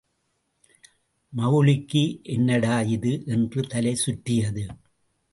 மவுல்விக்கு— என்னடா இது? — என்று தலை சுற்றியது.